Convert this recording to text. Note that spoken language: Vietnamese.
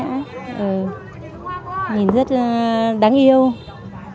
nhìn rất đáng yêu